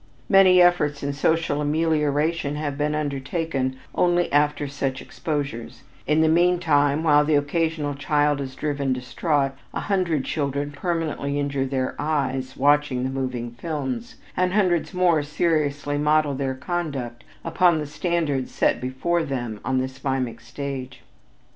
Many efforts in social amelioration have been undertaken only after such exposures; in the meantime, while the occasional child is driven distraught, a hundred children permanently injure their eyes watching the moving films, and hundreds more seriously model their conduct upon the standards set before them on this mimic stage.